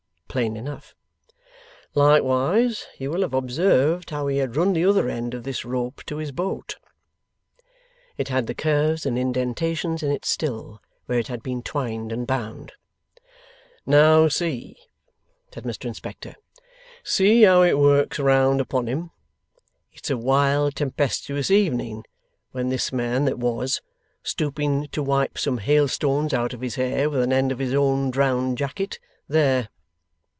Plain enough. 'Likewise you will have observed how he had run the other end of this rope to his boat.' It had the curves and indentations in it still, where it had been twined and bound. 'Now see,' said Mr Inspector, 'see how it works round upon him. It's a wild tempestuous evening when this man that was,' stooping to wipe some hailstones out of his hair with an end of his own drowned jacket, ' there!